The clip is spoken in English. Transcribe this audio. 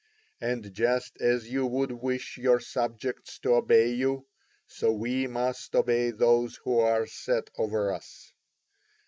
And just as you would wish your subjects to obey you, so we must obey those who are set over us.